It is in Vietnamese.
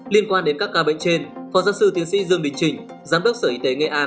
liên quan đến các ca bệnh trên phó giáo sư tiến sĩ dương đình trình giám đốc sở y tế nghệ an